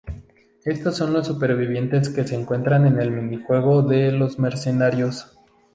Estos son los supervivientes que se encuentran en el mini juego de los Mercenarios.